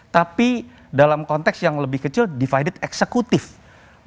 tapi dalam konteks yang lebih kecil divided executive